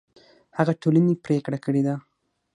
هغه ټولنې پرېکړه کړې ده